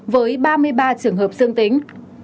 với ba mươi ba trường hợp dương tính